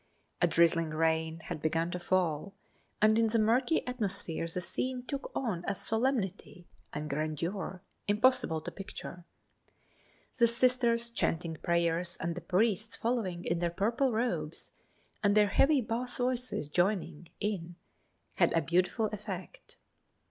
A drizzling rain had begun to fall, and in the murky atmosphere the scene took on a solemnity and grandeur impossible to picture. The Sisters chanting prayers and the priests following in their purple robes, and their heavy bass voices joining in had a beautiful effect.